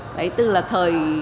đấy từ là thời